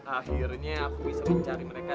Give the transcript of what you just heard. akhirnya aku bisa mencari mereka